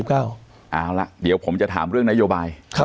เอาล่ะเดี๋ยวผมจะถามเรื่องนโยบาย